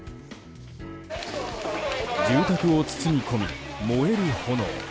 住宅を包み込み燃える炎。